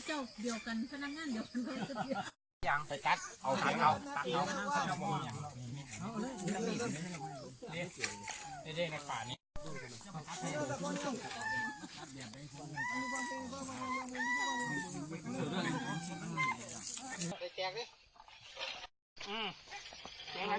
อืมอืมอืมอืมอืมอืมอืมอืมอืม